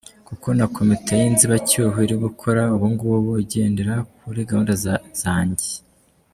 Kuko na komite y’inzibacyuho iri gukora ubu ngubu, igendera kuri gahunda zange.